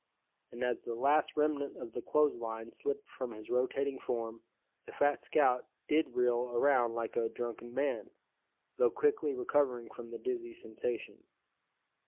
and as the last remnant of the clothes line slipped from his rotating form, the fat scout did reel around like a drunken man, though quickly recovering from the dizzy sensation.